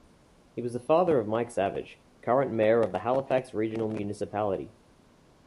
He was the father of Mike Savage, current mayor of the Halifax Regional Municipality.